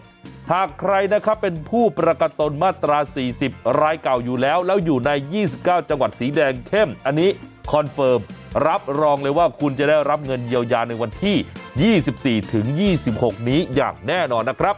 จังหวัดสีแดงเข้มอันนี้คอนเฟิร์มรับรองเลยว่าคุณจะได้รับเงินเยียวยาในวันที่๒๔ถึง๒๖นี้อย่างแน่นอนนะครับ